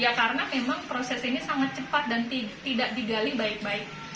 ya karena memang proses ini sangat cepat dan tidak digali baik baik